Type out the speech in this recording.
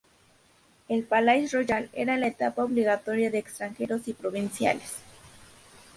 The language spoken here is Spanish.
El Palais-Royal era la etapa obligatoria de extranjeros y provinciales.